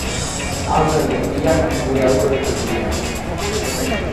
Autoen gurpilak, gure autoen gurpilak?